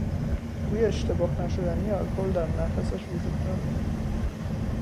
بوی اشتباه نشدنی الکل در نفسش وجود دارد.